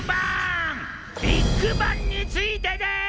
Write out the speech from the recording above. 「ビッグバン」についてです！